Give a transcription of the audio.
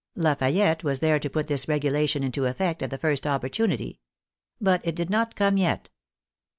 Lafayette was there to put this regulation into effect at the first opporunity. But it did not come yet.